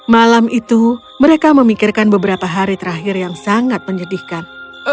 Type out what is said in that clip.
malam itu mereka memikirkan beberapa hari terakhir yang sangat menyedihkan